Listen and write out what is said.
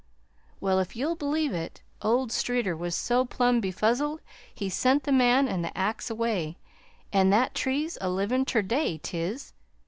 "Well, if you'll believe it, old Streeter was so plum befuzzled he sent the man an' the axe away an' that tree's a livin' ter day 't is!"